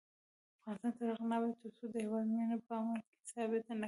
افغانستان تر هغو نه ابادیږي، ترڅو د هیواد مینه په عمل کې ثابته نکړو.